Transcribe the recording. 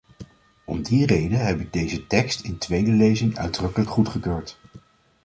Om die reden heb ik deze tekst in tweede lezing uitdrukkelijk goedgekeurd.